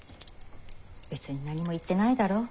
別に何も言ってないだろ？